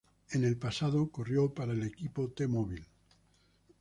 En el pasado corrió para el equipo T-Mobile.